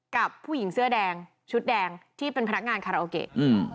กับผู้หญิงเสื้อแดงชุดแดงที่เป็นพนักงานคาราโอเกะ